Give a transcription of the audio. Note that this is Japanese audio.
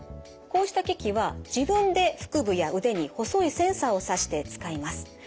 こうした機器は自分で腹部や腕に細いセンサーを刺して使います。